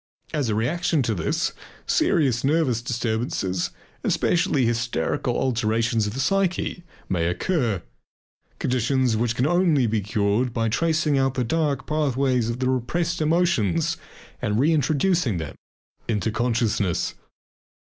As a reaction to this serious nervous disturbances, especially hysterical alterations of the psyche, may occur, conditions which can be cured only by tracing out the dark pathways of the repressed emotions and reintroducing them into consciousness.